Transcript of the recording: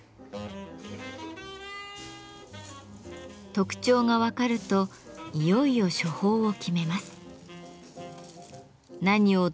特徴が分かるといよいよ処方を決めます。